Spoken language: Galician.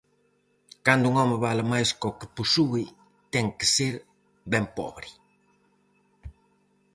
Cando un home vale máis có que posúe, ten que ser ben pobre.